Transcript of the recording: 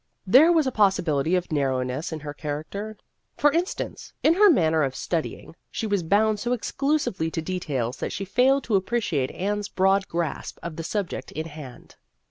There was a possibility of narrowness in her character. For in stance, in her manner of studying, she was bound so exclusively to details that she failed to appreciate Anne's broad grasp of the subject in hand.